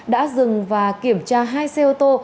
đã dừng và kiểm tra hai xe ô tô